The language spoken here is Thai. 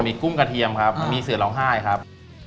มีกุ้งกระเทียมครับมันมีเสือร้องไห้ครับ